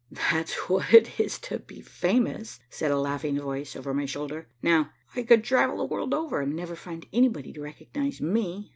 "That's what it is to be famous," said a laughing voice over my shoulder. "Now, I could travel the world over and never find anybody to recognize me."